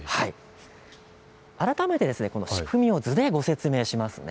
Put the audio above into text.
改めてこの仕組みを図で説明します。